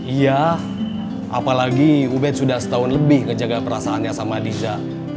iya apalagi ubed sudah setahun lebih ngejaga perasaannya sama disha